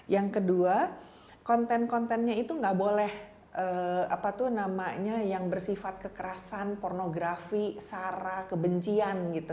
yang kedua konten kontennya itu nggak boleh apa tuh namanya yang bersifat kekerasan pornografi sara kebencian gitu